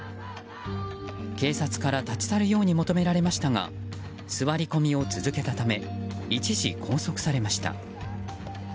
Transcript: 警察から立ち去るように求められましたが座り込みを続けたため一時拘束されました。